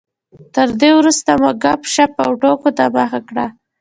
تر دې وروسته مو ګپ شپ او ټوکو ته مخه کړه.